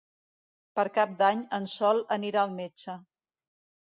Per Cap d'Any en Sol anirà al metge.